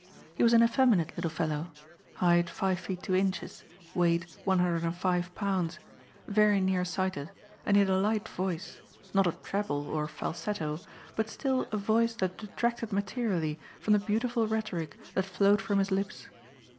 He was an effeminate little fellow: height, 5 feet 2 inches; weight, 105 pounds; very near sighted; and he had a light voice, not a treble or falsetto, but still a voice that detracted materially from the beautiful rhetoric that flowed from his lips.